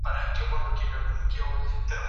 ¬ مځکه وايي په تا کي چي گناه نه وي مه بېرېږه.